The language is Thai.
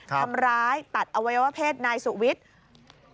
ทำร้ายตัดอวัยวะเพศนายสุวิทย์